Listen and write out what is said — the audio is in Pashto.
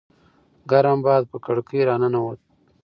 ګرم باد په کړکۍ راننووت.